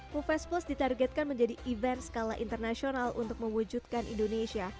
pufaz plus ditargetkan menjadi event skala internasional untuk mewujudkan indonesia